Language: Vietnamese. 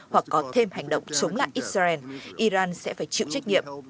hoặc có thêm hành động chống lại israel iran sẽ phải chịu trách nhiệm